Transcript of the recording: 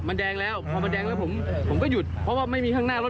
มันแดงแล้วพอมันแดงแล้วผมก็หยุดเพราะว่าไม่มีข้างหน้ารถ